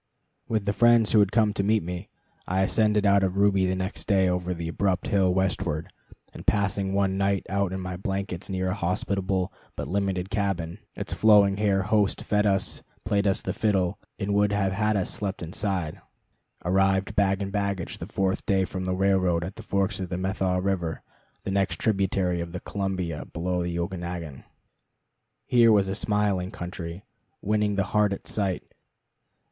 With the friends who had come to meet me, I ascended out of Ruby the next day over the abrupt hill westward, and passing one night out in my blankets near a hospitable but limited cabin (its flowing haired host fed us, played us the fiddle, and would have had us sleep inside), arrived bag and baggage the fourth day from the railroad at the forks of the Methow River the next tributary of the Columbia below the Okanagon. Here was a smiling country, winning the heart at sight.